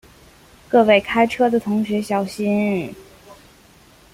各位开车的同学小心